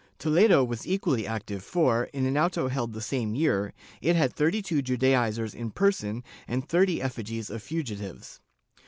^ Toledo was equally active for, in an auto held the same year, it had thirty two Judaizers in person and thirty effigies of fugitives.